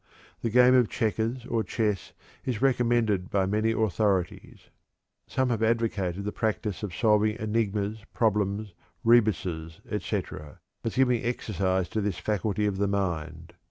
The game of checkers or chess is recommended by many authorities. Some have advocated the practice of solving enigmas, problems, rebuses, etc., as giving exercise to this faculty of the mind.